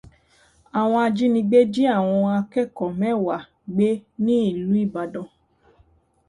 Àwọn ajínigbé jí àwọn ọmọ akẹ́kọ̀ọ́ mẹ́ẹ̀wá gbé ní ìlú Ìbàdàn.